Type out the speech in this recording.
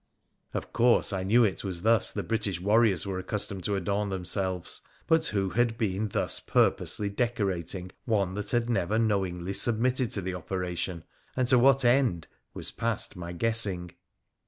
Of course, I knew it was thus the British warriors were accustomed to adorn themselves ; but who had been thus purposely decorating one that had never knowingly submitted to the operation, and to what end, was past my guessing.